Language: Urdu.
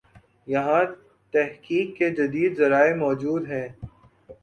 یہاںتحقیق کے جدید ذرائع موجود ہیں۔